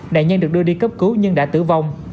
nạn nhân được đưa đi cấp cứu nhưng đã tử vong